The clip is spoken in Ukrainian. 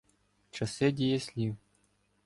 Часи дієслів